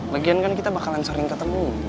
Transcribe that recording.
bagian kan kita bakalan sering ketemu